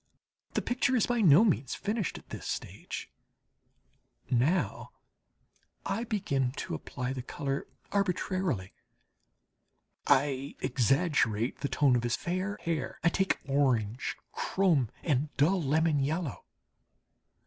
The picture is by no means finished at this stage. Now I begin to apply the colour arbitrarily. I exaggerate the tone of his fair hair; I take orange, chrome, and dull lemon yellow.